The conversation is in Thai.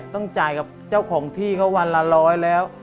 ต้องจ่ายกับเจ้าของที่เขาวันละร้อยแล้ว